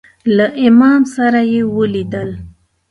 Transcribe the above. له امام سره یې ولیدل.